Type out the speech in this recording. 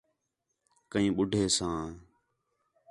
کئیں ٻُڈّھے ساں